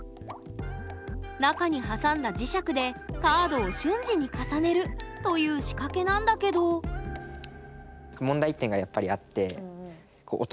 中に挟んだ磁石でカードを瞬時に重ねるという仕掛けなんだけど問題点がやっぱりあって。